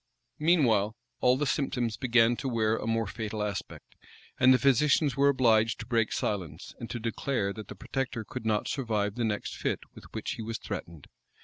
Meanwhile, all the symptoms began to wear a more fatal aspect; and the physicians were obliged to break silence, and to declare that the protector could not survive the next fit with which he was threatened.